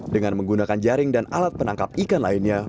dengan menggunakan jaring dan alat penangkap ikan lainnya